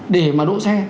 để mà đỗ xe